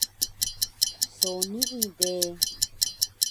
So nii de